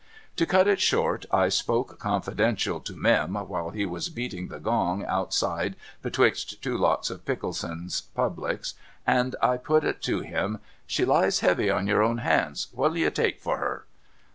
To cut it short, I spoke confidential to Mini while he was beating the gong outside betwixt two lots of Pickleson's publics, and I jnit it to him, ' She lies heavy on your own hands ; what'U you take for her?'